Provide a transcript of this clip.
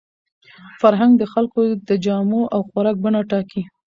فرهنګ د خلکو د جامو او خوراک بڼه ټاکي.